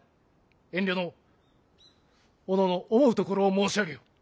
遠慮のうおのおの思うところを申し上げよ。